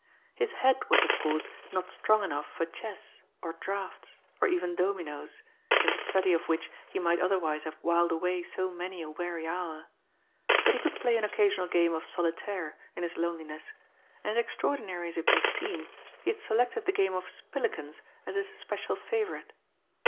His head was, of course, not strong enough for chess, or draughts, or even dominoes, in the study of which he might otherwise have whiled away so many a weary hour. But he could play an occasional game of " solitaire " in his loneli ness, and, extraordinary as it may seem, he had selected the game of "spillikens" as his especial favourite.